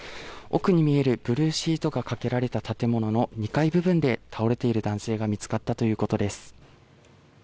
奥に見えるブルーシートがかけられた建物の２階部分で倒れている男性が見つかったということです。